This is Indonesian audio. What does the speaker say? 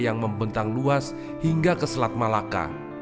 yang membentang luas hingga ke selat malaka